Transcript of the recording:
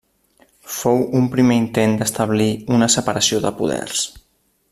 Fou un primer intent d'establir una separació de poders.